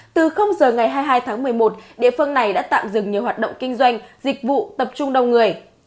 từ giờ ngày hai mươi hai tháng một mươi một địa phương này đã tạm dừng nhiều hoạt động kinh doanh dịch vụ tập trung đông người